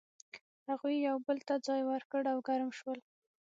هغوی یو بل ته ځای ورکړ او ګرم شول.